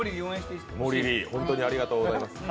モリリ、本当にありがとうございます。